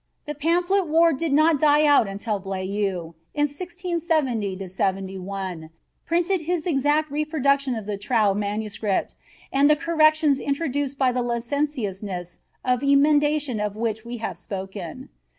The pamphlet war did not die out until Bleau, in 1670 71, printed his exact reproduction of the Trau manuscript and the corrections introduced by that licentiousness of emendation of which we have spoken.